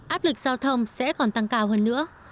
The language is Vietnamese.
áp lực giao thông sẽ còn tăng cao hơn nữa